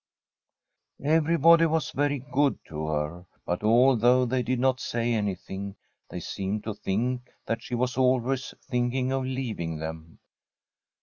Everybody was very good to her. But al though they did not say anything, they seemed to thmk that she was always thinking of leaving them.